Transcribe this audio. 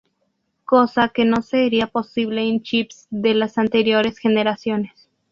Cosa que no sería posible en chips de las anteriores generaciones.